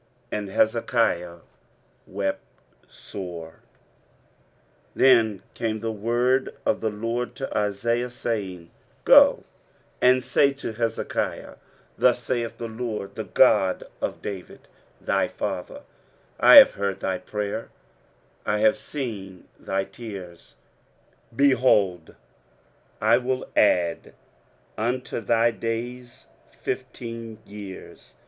And Hezekiah wept sore. 23:038:004 Then came the word of the LORD to Isaiah, saying, 23:038:005 Go, and say to Hezekiah, Thus saith the LORD, the God of David thy father, I have heard thy prayer, I have seen thy tears: behold, I will add unto thy days fifteen years.